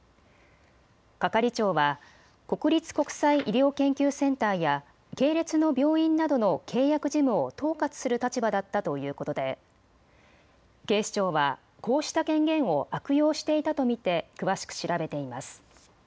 係長は国立国際医療研究センターや系列の病院などの契約事務を統括する立場だったということで警視庁はこうした権限を悪用していたと見て詳しく調べています。